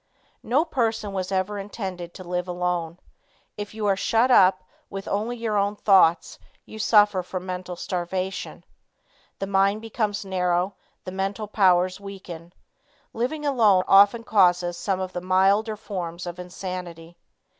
No person was ever intended to live alone. If you are shut up with only your own thoughts you suffer from mental starvation. The mind becomes narrow; the mental powers weaken. Living alone often causes some of the milder forms of insanity.